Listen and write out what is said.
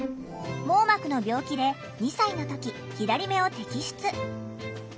網膜の病気で２歳の時左目を摘出。